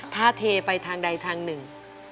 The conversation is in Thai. ถ้าเทไปทางใดทางหนึ่ง